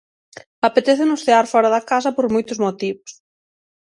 Apetécenos cear fóra da casa por moitos motivos...